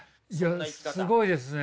いやすごいですね。